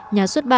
nhà xuất bản